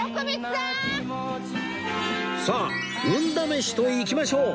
さあ運試しといきましょう